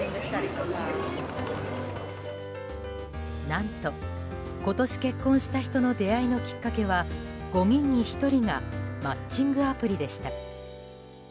何と、今年結婚した人の出会いのきっかけは５人に１人がマッチングアプリでした。